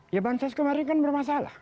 ya bansos kemarin kan bermasalah